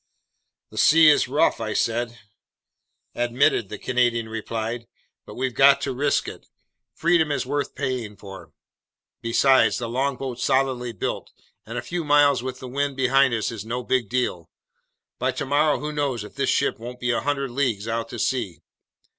"The sea is rough," I said. "Admitted," the Canadian replied, "but we've got to risk it. Freedom is worth paying for. Besides, the longboat's solidly built, and a few miles with the wind behind us is no big deal. By tomorrow, who knows if this ship won't be 100 leagues out to sea?